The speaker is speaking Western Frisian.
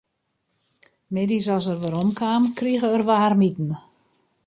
Middeis as er werom kaam, krige er waarmiten.